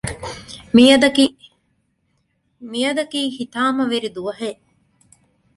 މިއަދަކީ ހިތާމަވެރި ދުވަހެއް